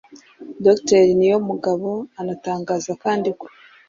Dr Niyomugabo anatangaza kandi ko,